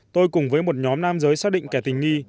tôi cùng với một nhóm nam giới xác định kẻ tình nghi